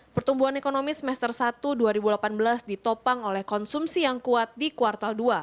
pertumbuhan ekonomi semester satu dua ribu delapan belas ditopang oleh konsumsi yang kuat di kuartal dua